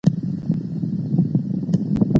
علم یو داسې دریاب دی چي پای نه لري.